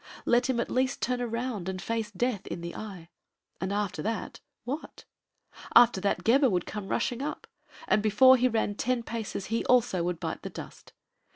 Let him at least turn around and face death in the eye. And after that, what? After that, Gebhr would come rushing up, and before he ran ten paces he also would bite the dust.